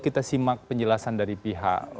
kita simak penjelasan dari pihak